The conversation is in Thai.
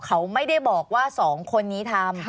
เขาไม่ได้บอกว่าสองคนนี้ทำ